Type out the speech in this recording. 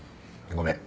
ごめん。